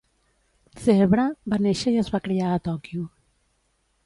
Zeebra va néixer i es va criar a Tòquio.